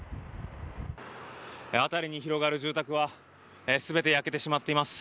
辺りに広がる住宅は全て焼けてしまっています。